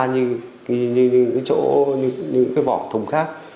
như cái vỏ thùng khác